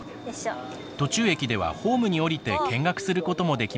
途中駅ではホームに降りて見学することもできます。